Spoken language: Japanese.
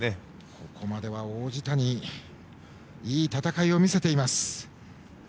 ここまでは、王子谷いい戦いを見せています。